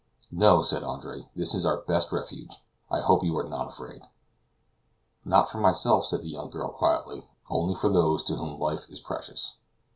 "No," said Andre, "this is our best refuge; I hope you are not afraid." "Not for myself," said the young girl quietly, "only for those to whom life is precious."